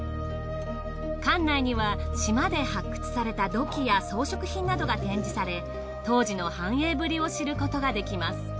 館内には島で発掘された土器や装飾品などが展示され当時の繁栄ぶりを知ることができます。